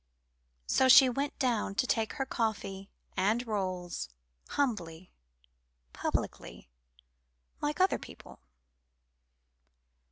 So she went down to take her coffee and rolls humbly, publicly, like other people.